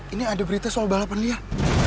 ini ada berita soal balapan liar